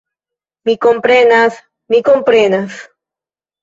Mi komprenas, mi komprenas!